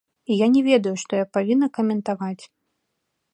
І я не ведаю, што я павінна каментаваць.